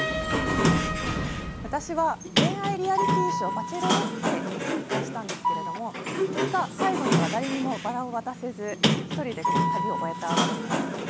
私は恋愛リアリティーショー『バチェロレッテ』に参加したんですけれども結果最後には誰にもバラを渡せず１人でこう旅を終えたわけなんですね。